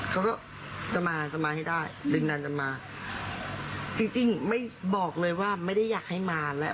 เขาก็จะมาจะมาให้ได้ดึงดันจะมาจริงจริงไม่บอกเลยว่าไม่ได้อยากให้มาแล้ว